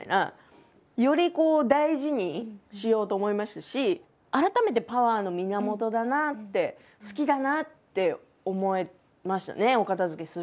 より大事にしようと思いましたし改めてパワーの源だなあって好きだなあって思えましたねお片づけするときに。